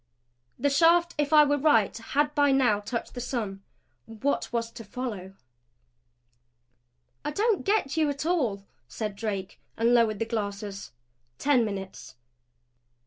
The shaft, if I were right, had by now touched the sun. What was to follow? "I don't get you at all," said Drake, and lowered the glasses. Ten minutes.